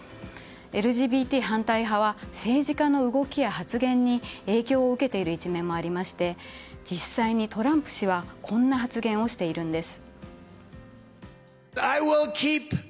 ＬＧＢＴ反対派は政治家の動きや発言に影響を受けている一面もありまして実際にトランプ氏はこんな発言をしているんです。